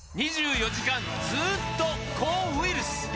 ２４時間ずっと抗ウイルス！